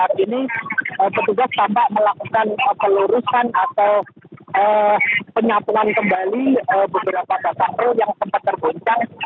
saat ini petugas tampak melakukan pelurusan atau penyatuan kembali beberapa kata kata yang sempat terbuncang